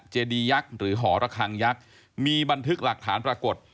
เจดียักษ์หรือหอระคังยักษ์มีบันทึกหลักฐานปรากฏ